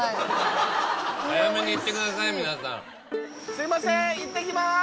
すいませんいってきます。